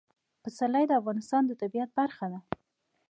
پسرلی د افغانستان د طبیعت برخه ده.